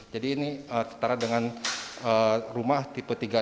jadi ini setara dengan rumah tipe tiga puluh enam